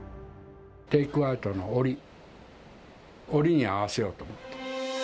テイクアウトの折、折に合わせようと思った。